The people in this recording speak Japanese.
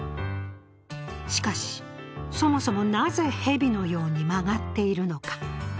しかし、そもそもなぜ蛇のように曲がっているのか。